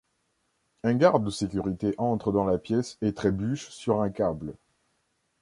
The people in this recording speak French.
Un garde de sécurité entre dans la pièce et trébuche sur un câble.